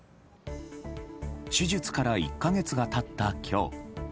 手術から１か月が経った今日。